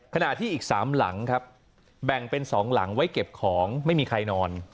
ขณะที่อีก๓หลังครับแบ่งเป็น๒หลังไว้เก็บของไม่มีใครนอน